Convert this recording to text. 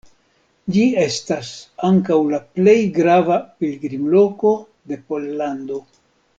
Ĝi estas ankaŭ la plej grava pilgrimloko de Pollando.